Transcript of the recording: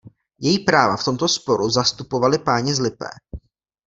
Její práva v tomto sporu zastupovali páni z Lipé.